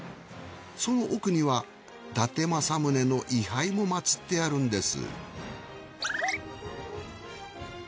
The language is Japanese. その奥には伊達政宗の位牌もまつってあるんです。